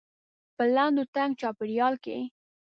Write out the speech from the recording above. په لنډ و تنګ چاپيریال کې.